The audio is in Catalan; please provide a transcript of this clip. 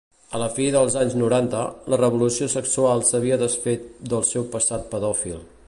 A la fi dels anys noranta, la revolució sexual s'havia desfet del seu passat pedòfil.